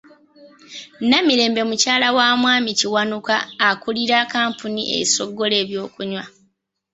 Namirembe mukyala wa Mwami Kiwanuka akulira kampuni essogola ebyokunywa.